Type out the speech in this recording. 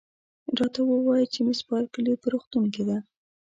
راته ووایاست چي مس بارکلي په روغتون کې ده؟